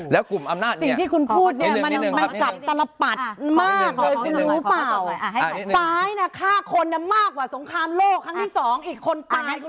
สิ่งคุณพูดแม้มันจับตระปัดมากเลย